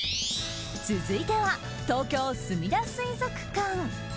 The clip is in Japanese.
続いては、東京すみだ水族館。